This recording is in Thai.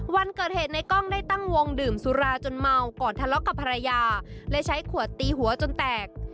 วันเกิดเหตุในกล้องได้ตั้งวงดื่มสุราจนเมาก่อนทะเลาะกับภรรยาและใช้ขวดตีหัวจนแตก